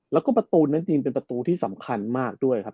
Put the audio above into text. แล้วก็ประตูนั้นจริงเป็นประตูที่สำคัญมากด้วยครับ